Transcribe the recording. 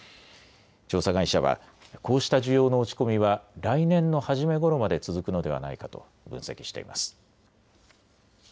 調査会社はこうした需要の落ち込みは来年の初めごろまで続くのではないかと分析しています。